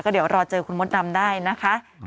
เดี๋ยวรอเจอคุณมดดำได้นะคะ